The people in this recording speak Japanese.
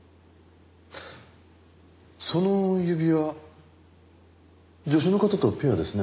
その指輪助手の方とペアですね。